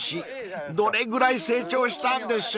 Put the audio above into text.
［どれぐらい成長したんでしょう］